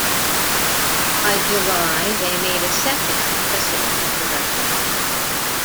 By July, they made a second pressing of the record.